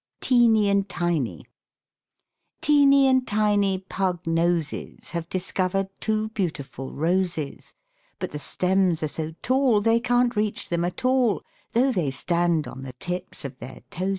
TEENY AND TINY Teeny and Tiny Pugnoses Have discovered two beautiful roses, But the stems are so tall They can't reach them at all, Though they stand on the tips of their toeses.